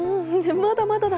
まだまだだ。